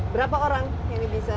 berapa orang yang bisa